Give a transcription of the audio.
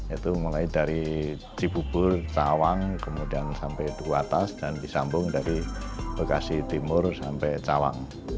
itu mulai dari cibubur cawang kemudian sampai duku atas dan disambung dari bekasi timur sampai cawang